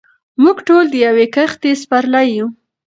موږ ټول د یوې کښتۍ سپرلۍ یو.